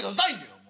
もう。